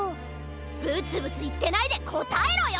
ブツブツいってないでこたえろよ！